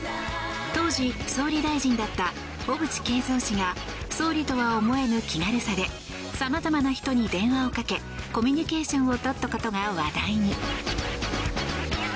当時総理大臣だった小渕恵三氏が総理とは思えぬ気軽さでさまざまな人に電話をかけコミュニケーションをとったことが話題に。